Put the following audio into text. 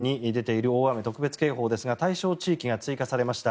宮崎県に出ている大雨特別警報ですが対象地域が追加されました。